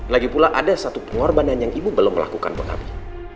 lagipula ada satu pengorbanan yang ibu belum melakukan buat abi